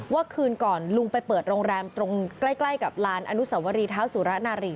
คืนก่อนลุงไปเปิดโรงแรมตรงใกล้กับลานอนุสวรีเท้าสุระนารี